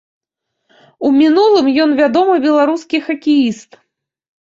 У мінулым ён вядомы беларускі хакеіст.